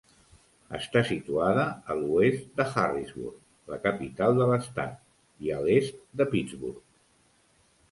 Està situada a l'oest de Harrisburg, la capital de l'estat, i a l'est de Pittsburgh.